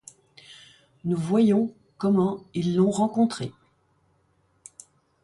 Nous voyons comment ils l'ont rencontrée.